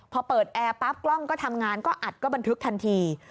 พอเปิดแอร์ปั๊บกล้องก็ทำงานก็อัดก็บันทึกทันที